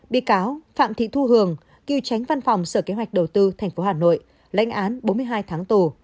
bị cáo phạm thị thu hường cựu tránh văn phòng sở kế hoạch đầu tư tp hà nội lãnh án bốn mươi hai tháng tù